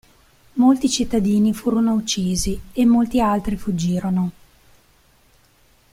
Molti cittadini furono uccisi e molti altri fuggirono.